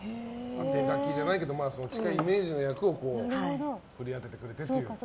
当て書きじゃないけど近いイメージの役を掘り当ててくれてると。